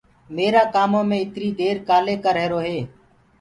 ميرآ ڪآمو مي اِتري دير ڪآلي ڪررو هي۔